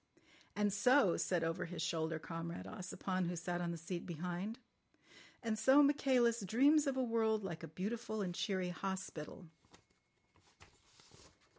"And so," said over his shoulder Comrade Ossipon, who sat on the seat behind. "And so Michaelis dreams of a world like a beautiful and cheery hospital."